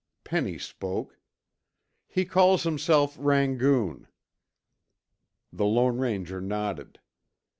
Penny spoke. "He calls himself Rangoon." The Lone Ranger nodded.